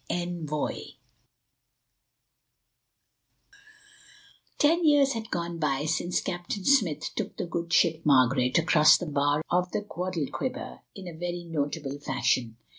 ENVOI Ten years had gone by since Captain Smith took the good ship Margaret across the bar of the Guadalquiver in a very notable fashion.